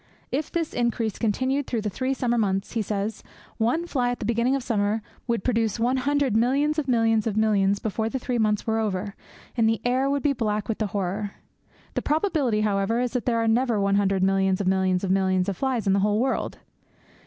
If this increase continued during the three summer months, he says, one fly at the beginning of summer would produce one hundred millions of millions of millions before the three months were over, and the air would be black with the horror. The probability, however, is that there are never one hundred millions of millions of millions of flies in the whole world.